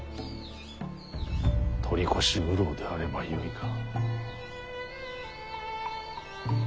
取り越し苦労であればよいが。